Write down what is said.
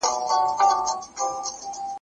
¬ خواري د مړو په شا ده.